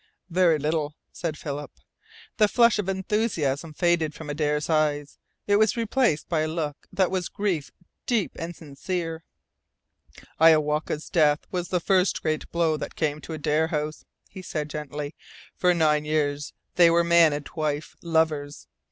"Very little," said Philip. The flush of enthusiasm faded from Adare's eyes. It was replaced by a look that was grief deep and sincere. "Iowaka's death was the first great blow that came to Adare House," he said gently. "For nine years they were man and wife lovers.